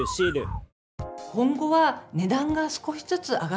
今後は値段が少しずつ上がっていく